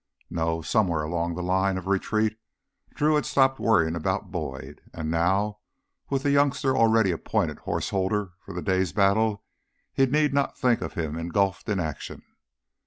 No, somewhere along the line of retreat Drew had stopped worrying about Boyd. And now, with the youngster already appointed horse holder for the day's battle, he need not think of him engulfed in action.